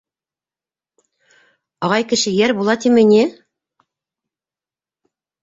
Ағай кеше йәр була тиме ни?!